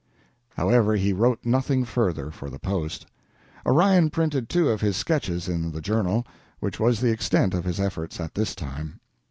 However, he wrote nothing further for the "Post." Orion printed two of his sketches in the "Journal," which was the extent of his efforts at this time.